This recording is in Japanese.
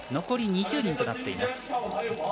残り２０人となっています。